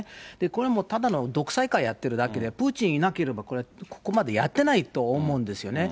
これはもうただの独裁化やってるだけで、プーチンいなければ、ここまでやってないと思うんですよね。